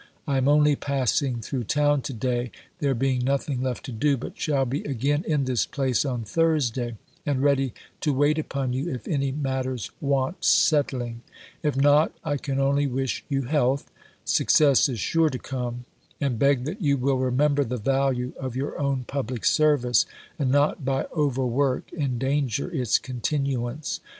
I am only passing through town to day, there being nothing left to do; but shall be again in this place on Thursday, and ready to wait upon you if any matters want settling. If not, I can only wish you health success is sure to come and beg that you will remember the value of your own public service, and not by overwork endanger its continuance.